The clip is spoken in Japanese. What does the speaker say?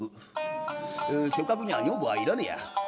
侠客には女房はいらねえや。